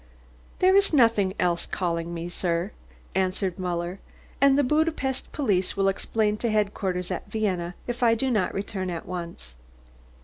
"There is nothing else calling me, sir," answered Muller. "And the Budapest police will explain to headquarters at Vienna if I do not return at once."